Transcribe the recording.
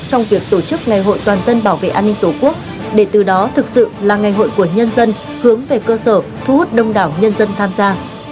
trong việc tổ chức ngày hội toàn dân bảo vệ an ninh tổ quốc để từ đó thực sự là ngày hội của nhân dân hướng về cơ sở thu hút đông đảo nhân dân tham gia